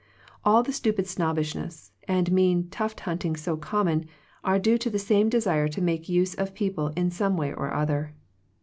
All the stupid snobbishness, and mean tuft hunting so common, are due to the same desire to make use of people in some way or other.